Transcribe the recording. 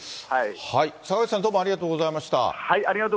坂口さん、どうもありがとうございました。